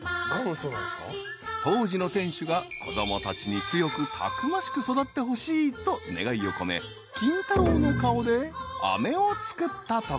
［当時の店主が子供たちに強くたくましく育ってほしいと願いを込め金太郎の顔であめを作ったところ］